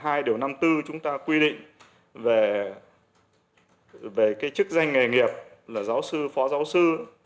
khoảng hai điều năm tư chúng ta quy định về cái chức danh nghề nghiệp là giáo sư phó giáo sư